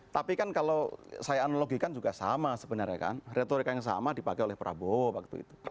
tapi kan kalau saya analogikan juga sama sebenarnya kan retorika yang sama dipakai oleh prabowo waktu itu